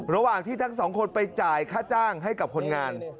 ระหว่างที่ทั้งสองคนไปจ่ายค่าจ้างให้กับคนงาน